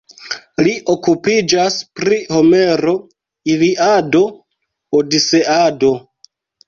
Li okupiĝas pri Homero, Iliado, Odiseado.